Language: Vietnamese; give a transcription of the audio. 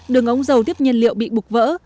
đường ống dầu tiếp nhiên liệu bị bục vỡ